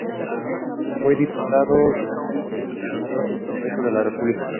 Fue Diputado y luego Senador al Congreso de la República.